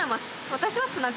私は。